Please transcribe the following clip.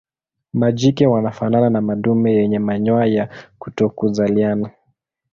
Majike wanafanana na madume yenye manyoya ya kutokuzaliana.